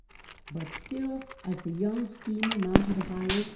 But still as the young schemer mounted higher the 4 R c.